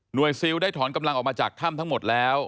ซิลได้ถอนกำลังออกมาจากถ้ำทั้งหมดแล้ว